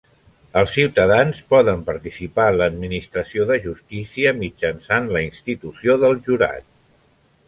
Els ciutadans poden participar en l'Administració de Justícia mitjançant la institució del jurat.